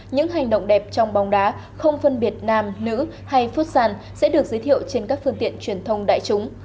những hành động đẹp trong bóng đá không phân biệt nam nữ hay phút sàn sẽ được giới thiệu trên các phương tiện truyền thông đại chúng